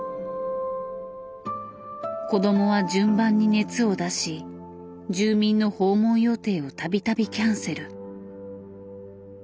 子どもは順番に熱を出し住民の訪問予定を度々キャンセル。